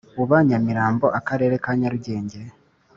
uba Nyamirambo Akarere ka Nyarugenge